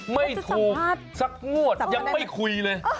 ไม่ถูกสักงวดยังไม่คุยเลย